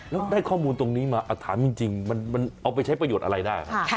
แล้วได้ข้อมูลตรงนี้มาถามจริงมันเอาไปใช้ประโยชน์อะไรได้